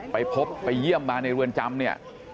ไปพบไปเยี่ยมมาในเรือนจำเนี่ย